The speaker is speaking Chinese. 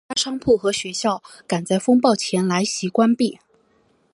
多家商铺和学校赶在风暴来袭前关闭。